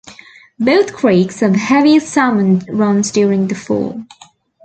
Both creeks have heavy salmon runs during the fall.